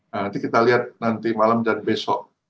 nanti kita lihat nanti malam dan besok